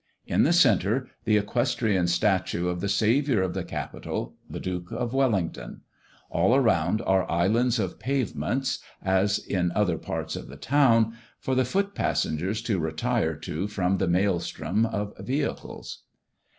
In the centre, the equestrian statue of the saviour of the capitol the Duke of Wellington. All round are islands of pavements, as in other parts of the town, for the foot passengers to retire to from the maelstrom of vehicles.